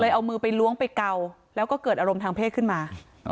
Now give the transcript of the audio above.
เอามือไปล้วงไปเกาแล้วก็เกิดอารมณ์ทางเพศขึ้นมา